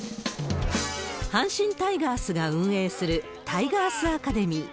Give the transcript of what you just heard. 阪神タイガースが運営するタイガースアカデミー。